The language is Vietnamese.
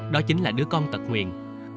đó chính là đứa con tật nguyền